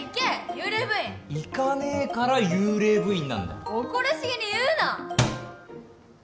幽霊部員行かねえから幽霊部員なんだよ誇らしげに言うな！